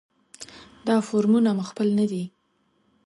دا فورمونه مو خپل نه دي.